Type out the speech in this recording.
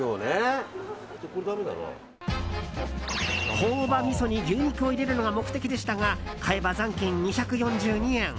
朴葉みそに牛肉を入れるのが目的でしたが買えば残金２４２円。